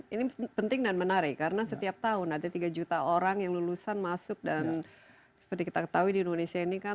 ini penting dan menarik karena setiap tahun ada tiga juta orang yang lulusan masuk dan seperti kita ketahui di indonesia ini kan